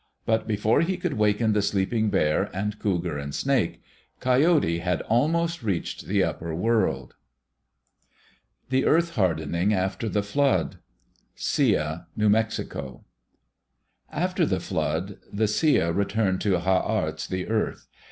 But before he could waken the sleeping Bear and Cougar and Snake, Coyote had almost reached the upper world. The Earth Hardening After the Flood Sia (New Mexico) After the flood, the Sia returned to Ha arts, the earth.